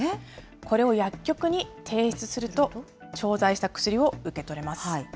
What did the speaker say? これを薬局に提出すると、調剤した薬を受け取れます。